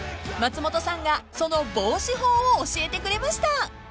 ［松本さんがその防止法を教えてくれました］